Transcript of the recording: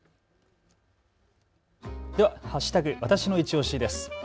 では＃わたしのいちオシです。